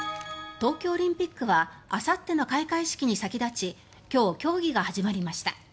東京オリンピックはあさっての開会式に先立ち今日、競技が始まりました。